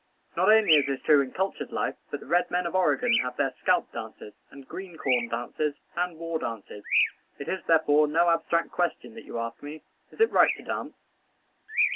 Not only is this true in cultured life, but the red men of Oregon have their scalp dances, and green corn dances, and war dances. It is, therefore, no abstract question that you ask me Is it right to dance?